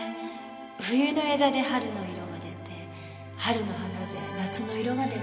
冬の枝で春の色が出て春の花で夏の色が出るなんて。